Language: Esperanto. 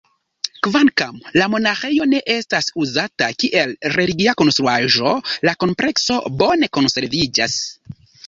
Kvankam la monaĥejo ne estas uzata kiel religia konstruaĵo, la komplekso bone konserviĝas.